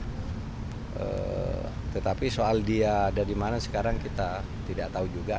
nah tetapi soal dia ada di mana sekarang kita tidak tahu juga